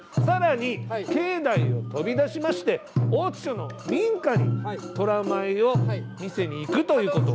さらに、境内を飛び出しまして大槌町の民家に虎舞を見せに行くと。